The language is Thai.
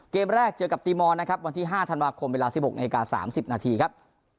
เกมแรกเจอกับตีมอนนะครับวันที่๕ธันวาคมเวลา๑๖นาที๓๐นาทีครับ